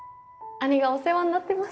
兄がお世話になってます